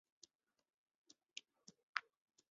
金山寺舍利塔的历史年代为元代。